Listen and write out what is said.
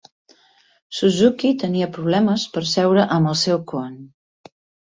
Suzuki tenia problemes per seure amb el seu koan.